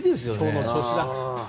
今日の調子だ。